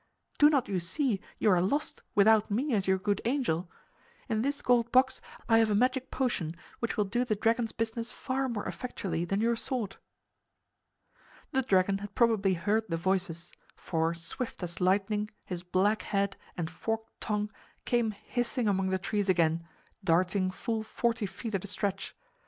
"Do not you see you are lost without me as your good angel? In this gold box I have a magic potion which will do the dragon's business far more effectually than your sword." The dragon had probably heard the voices, for swift as lightning his black head and forked tongue came hissing among the trees again, darting full forty feet at a stretch.